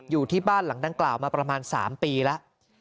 อยู่ที่บ้านหลังดังกล่าวมาประมาณ๓ปีแล้ว